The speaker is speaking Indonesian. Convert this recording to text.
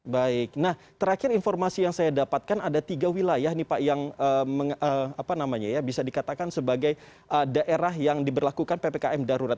baik nah terakhir informasi yang saya dapatkan ada tiga wilayah nih pak yang bisa dikatakan sebagai daerah yang diberlakukan ppkm darurat